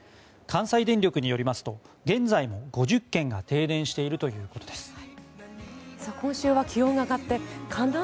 関西電力によりますと現在も５０軒が停電しているということです。